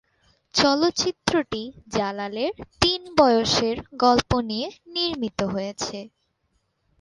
চলচ্চিত্রটি জালালের তিন বয়সের গল্প নিয়ে নির্মিত হয়েছে।